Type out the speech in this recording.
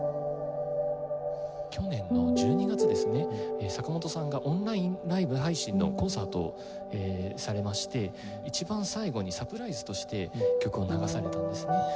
去年の１２月ですね坂本さんがオンラインライブ配信のコンサートをされまして一番最後にサプライズとして曲を流されたんですね。